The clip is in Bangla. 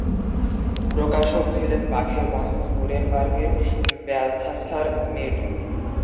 প্রকাশক ছিলেন বাখের বন্ধু নুরেমবার্গের ব্যালথাসার স্মিড।